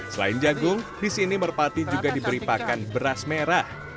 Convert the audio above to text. selain jagung di sini merpati juga diberi pakan beras merah